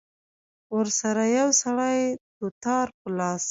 ورسره يو سړى دوتار په لاس.